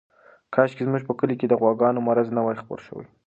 کاشکې زموږ په کلي کې د غواګانو مرض نه وای خپور شوی.